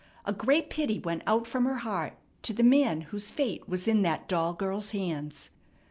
A great pity went out from her heart to the man whose fate was in that doll girl's hands.